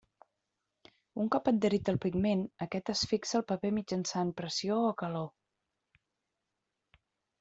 Un cop adherit el pigment, aquest es fixa al paper mitjançant pressió o calor.